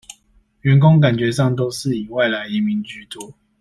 員工感覺上都是以外來移民居多